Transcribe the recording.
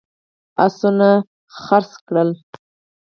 آسونه خرڅ کړل.